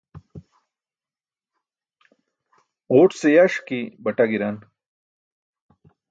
Ġuṭ ce yaṣki baṭa gi̇ran.